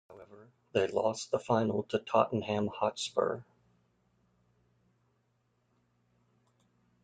However they lost the final to Tottenham Hotspur.